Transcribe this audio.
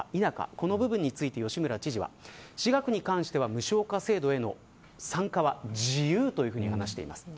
この部分について吉村知事は。私学に関しては無償化制度への参加は自由というふうに話しています。